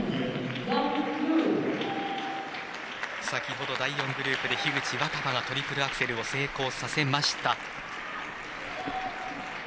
先ほど第４グループで樋口新葉がトリプルアクセルを成功させました。